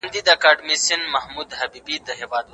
زه په خپلو سترګو کې د دروند خوب احساس کوم.